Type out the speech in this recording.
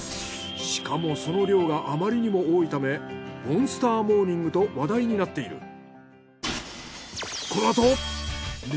しかもその量があまりにも多いためモンスターモーニングと話題になっている。